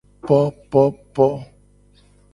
Popopo.